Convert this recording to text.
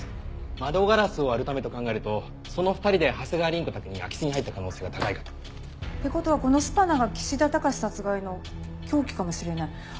窓ガラスを割るためと考えるとその２人で長谷川凛子宅に空き巣に入った可能性が高いかと。って事はこのスパナが岸田貴志殺害の凶器かもしれない。